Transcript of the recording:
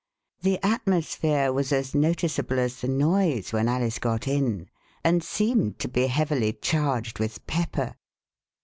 The atmosphere was as noticeable as the noise when Alice got in, and seemed to be heavily charged with pepper.